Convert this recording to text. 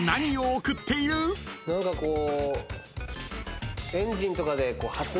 何かこう。